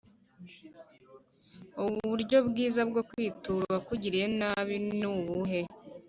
uburyo bwiza bwo kwitura uwakugiriye nabi ni ubuhe?